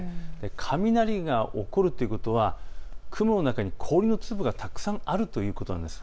雷が起こるということは雲の中に氷の粒がたくさんあるということなんです。